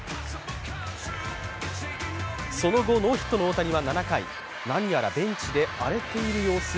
その後ノーヒットの大谷は７回、何やらベンチで荒れている様子